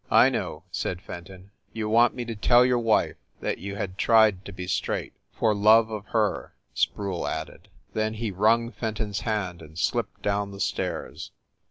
"I know," said Fenton. "You want me to tell your wife that you had tried to be straight?" "For love of her," Sproule added. Then he wrung Fenton s hand and slipped down the stairs.